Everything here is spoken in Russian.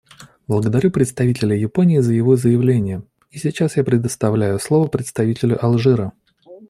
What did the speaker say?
Благодарю представителя Японии за его заявление, и сейчас я предоставляю слово представителю Алжира.